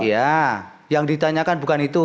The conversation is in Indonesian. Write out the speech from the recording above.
ya yang ditanyakan bukan itu